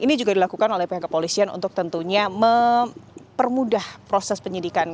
ini juga dilakukan oleh pihak kepolisian untuk tentunya mempermudah proses penyidikan